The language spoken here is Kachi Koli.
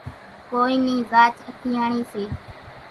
ڪونئين نِي زاچ اکياڻِي سي۔